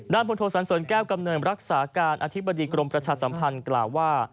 พลโทสันเสริญแก้วกำเนิดรักษาการอธิบดีกรมประชาสัมพันธ์กล่าวว่า